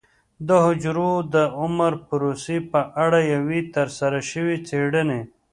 د حجرو د عمر پروسې په اړه یوې ترسره شوې څېړنې